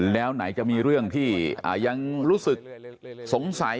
แล้วไหนจะมีเรื่องที่ยังรู้สึกสงสัย